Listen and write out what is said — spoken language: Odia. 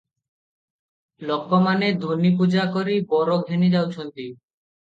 ଲୋକମାନେ ଧୂନି ପୂଜା କରି ବର ଘେନି ଯାଉଛନ୍ତି ।